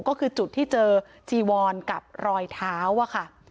ก็คือจุดที่เจอจีวอนกับรอยเท้าอะค่ะ